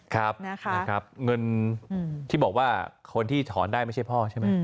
ครับนะครับเงินที่บอกว่าคนที่ถอนได้ไม่ใช่พ่อใช่ไหม